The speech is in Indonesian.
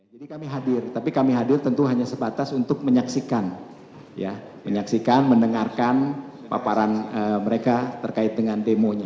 jadi kami hadir tapi kami hadir tentu hanya sebatas untuk menyaksikan ya menyaksikan mendengarkan paparan mereka terkait dengan demonya